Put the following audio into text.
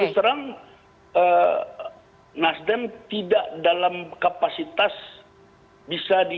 terus terang nasdem tidak dalam kapasitas bisa di